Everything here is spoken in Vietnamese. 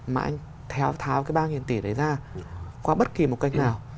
mà anh tháo cái ba tỷ đấy ra qua bất kỳ một kênh nào